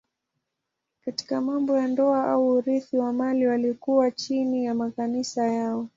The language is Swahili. Katika mambo ya ndoa au urithi wa mali walikuwa chini ya makanisa yao.